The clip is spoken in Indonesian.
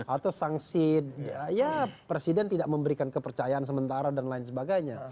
atau sanksi ya presiden tidak memberikan kepercayaan sementara dan lain sebagainya